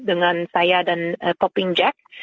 dengan saya dan koping jack